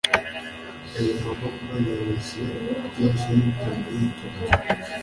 Ayo maboko yoroshye aryoshye yitonze yitonze